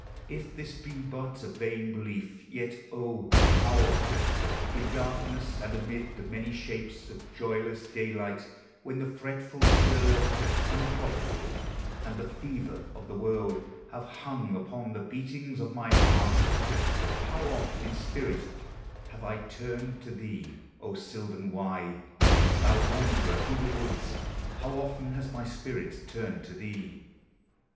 If this Be but a vain belief, vet, 0, how oft— In darkness and amid the many shapes Of joyless daylight; when the fretful stir Unprofitable, and the fever of the world, Have hung upon the beatings of my heart How oft, in spirit, have I turned to thee, O sylvan Wye! thou wanderer through the woods, How often has my spirit turned to thee!